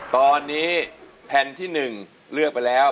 ตอนนี้แผ่นที่๑เลือกไปแล้ว